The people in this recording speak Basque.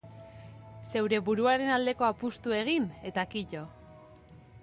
Zeure buruaren aldeko apustu egin eta kito.